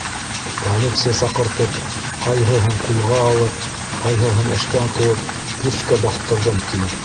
Полиция саҡыртып, ҡайһыһын ҡулға алып, ҡайһыһын эштән ҡыуып, көскә баҫтырҙым, ти.